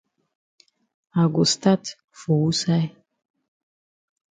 I go stat for wusaid?